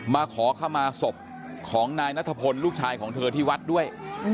มาขอเข้ามาศพของนายนัทพลลูกชายของเธอที่วัดด้วย